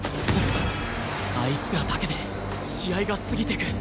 あいつらだけで試合が過ぎてく